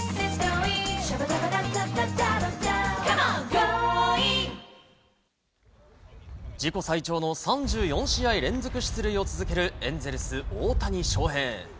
この後自己最長の３４試合連続出塁を続けるエンゼルス、大谷翔平。